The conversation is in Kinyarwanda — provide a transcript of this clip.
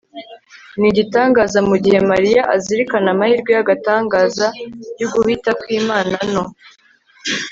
ni igitangaza. mu gihe mariya azirikana amahirwe y'agatangaza y'uguhita kw'imana no